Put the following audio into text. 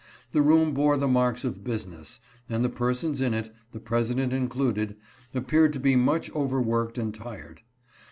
The room bore the marks of business, and the persons in it, the President included, appeared to be much over worked and tired.